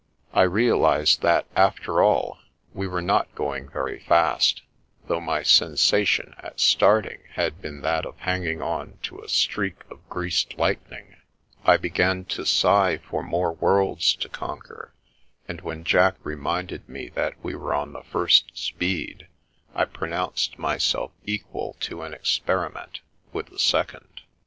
I realised that, after all, we were not going very fast, My Lesson 39 though my sensation at starting had been that of hanging on to a streak of greased lightning. I began to sigh for more worlds to conquer, and when Jack reminded me that we were on the fipst speed, I pronounced myself equal to an experiment with the second.